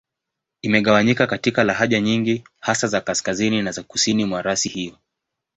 Imegawanyika katika lahaja nyingi, hasa za Kaskazini na za Kusini mwa rasi hiyo.